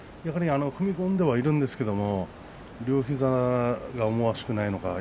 踏み込んではいるんですけど両膝が思わしくないのか